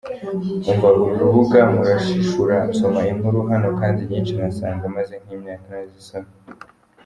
Umva uru rubuga murashishura nsoma inkuru hano kandi nyinshi ngasanga maze nkimyaka narayisomye.